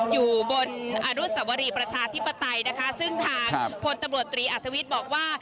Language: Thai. อยู่บนอนุสวรีประชาธิปไตยนะคะซึ่งทางพลตำรวจตรีอัธวิทย์บอกว่า